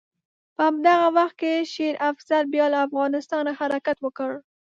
په همدغه وخت کې شېر افضل بیا له افغانستانه حرکت وکړ.